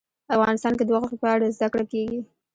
افغانستان کې د غوښې په اړه زده کړه کېږي.